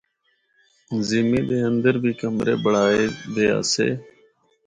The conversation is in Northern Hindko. زِمّی دے اندر بھی کمرے بنڑائے دے آسے۔